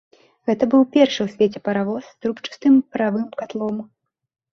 Гэта быў першы ў свеце паравоз з трубчастым паравым катлом.